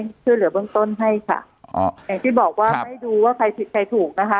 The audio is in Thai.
ช่วยเหลือเบื้องต้นให้ค่ะอ๋ออย่างที่บอกว่าไม่ดูว่าใครผิดใครถูกนะคะ